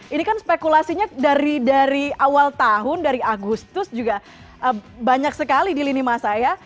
ini kan spekulasinya dari awal tahun dari agustus juga banyak sekali di lini masa ya